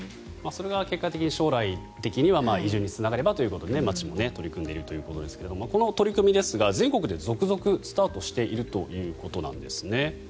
それが結果、将来的には移住につながればということで町も取り組んでいるということですがこの取り組みですが全国で続々スタートしているということです。